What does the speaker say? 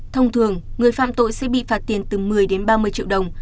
thông thường người phạm tội sẽ bị phạt tiền từ một mươi đến ba mươi triệu đồng